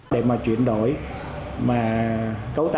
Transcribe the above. để mà chuyển đổi mà cấu tạo